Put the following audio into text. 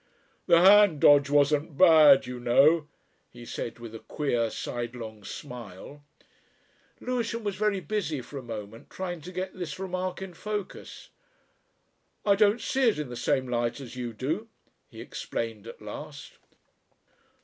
"The hand dodge wasn't bad, you know," he said, with a queer sidelong smile. Lewisham was very busy for a moment trying to get this remark in focus. "I don't see it in the same light as you do," he explained at last.